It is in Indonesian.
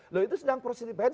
lalu itu sedang proses di pns